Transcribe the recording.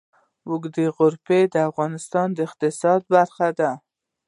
اوږده غرونه د افغانستان د اقتصاد برخه ده.